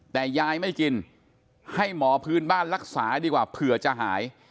แต่ยายไม่กินให้หมอพื้นบ้านรักษาดีกว่าเผื่อจะหาย